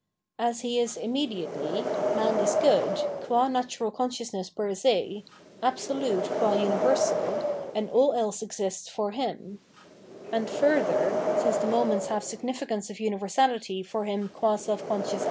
As he is immediately, man is good, guu natural conscious ness per se, absolute gua individual, and aU else e'^'sts for liim : and further, — since the moments have the significance of universality for him gua seiE conscious a.